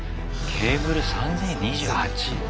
ケーブル３０２８。